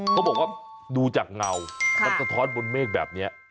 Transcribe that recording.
เขาบอกว่าดูจากเงามันสะท้อนบนเมฆแบบนี้